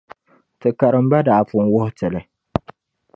Ti karimba daa pun wuhi ti li.